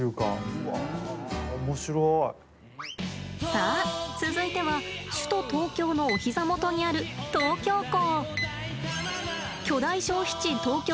さあ続いては首都東京のお膝元にある東京港。